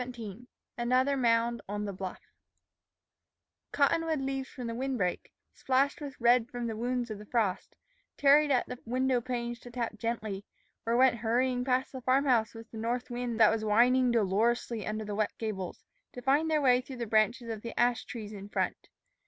XVII ANOTHER MOUND ON THE BLUFF COTTONWOOD leaves from the wind break, splashed with red from the wounds of the frost, tarried at the window panes to tap gently, or went hurrying past the farm house with the north wind that was whining dolorously under the wet gables, to find their way through the branches of the ash trees in front.